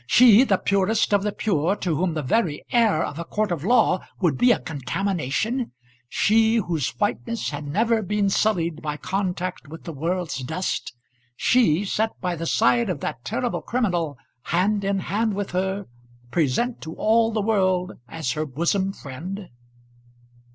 She, the purest of the pure, to whom the very air of a court of law would be a contamination; she, whose whiteness had never been sullied by contact with the world's dust; she set by the side of that terrible criminal, hand in hand with her, present to all the world as her bosom friend!